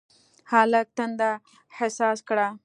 هلک تنده احساس کړه.